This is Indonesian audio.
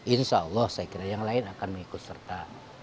insya allah saya kira yang lain akan mengikut serta